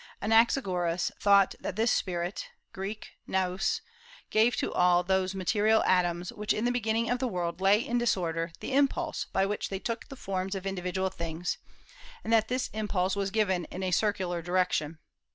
Anaxagoras thought that this spirit ([Greek: nous]) gave to all those material atoms which in the beginning of the world lay in disorder the impulse by which they took the forms of individual things, and that this impulse was given in a circular direction.